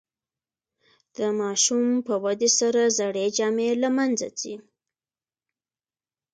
د ماشوم په ودې سره زړې جامې له منځه ځي.